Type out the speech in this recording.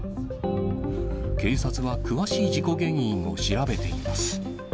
警察は詳しい事故原因を調べています。